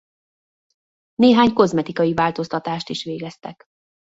Néhány kozmetikai változtatást is végeztek.